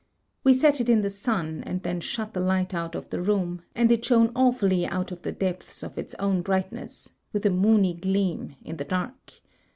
We set it in the sun, and then shut the light out of the room, and it shone awfully out of the depths of its own brightness, with a moony gleam, in the dark.